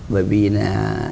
bởi vì là